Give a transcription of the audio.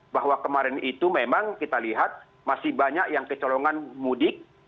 bahwa kemarin itu memang kita lihat masih banyak yang kecolongan mudik